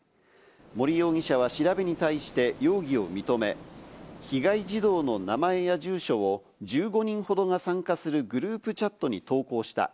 森容疑者は調べに対して容疑を認め、被害児童の名前や住所を１５人ほどが参加するグループチャットに投稿した。